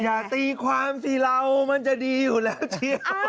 อย่าตีความสิเรามันจะดีอยู่แล้วเชียว